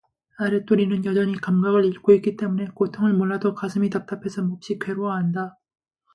아랫도리는 여전히 감각을 잃고 있기 때문에 고통을 몰라도 가슴이 답답해서 몹시 괴로워한다.